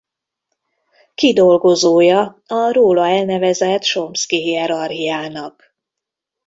Kidolgozója a róla elnevezett Chomsky-hierarchiának.